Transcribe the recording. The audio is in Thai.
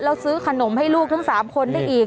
แล้วซื้อขนมให้ลูกทั้ง๓คนได้อีก